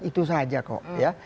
itu saja kok ya